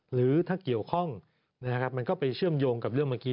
หรือถ้าเกี่ยวข้องนะครับมันก็ไปเชื่อมโยงกับเรื่องเมื่อกี้